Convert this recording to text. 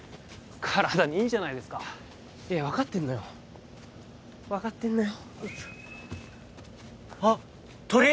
体にいいじゃないですかいや分かってんのよ分かってんのよあっ鳥！